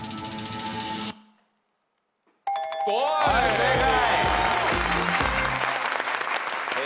正解。